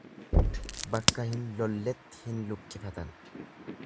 Bakka hin lolletti hin luqqifatan.